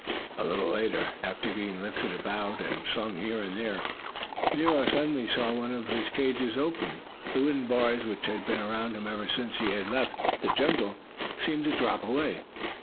A little later, after being lifted about, and slung here and there, Nero suddenly saw one end of his cage open. The wooden bars, which had been around him ever since he had left the jungle, seemed to drop away.